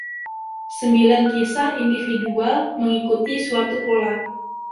Sembilan kisah individual mengikuti suatu pola.